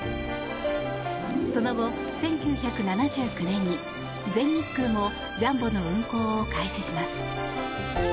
その後、１９７９年に全日空もジャンボの運航を開始します。